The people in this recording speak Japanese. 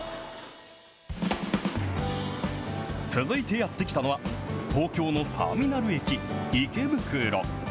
続いてやって来たのは、東京のターミナル駅、池袋。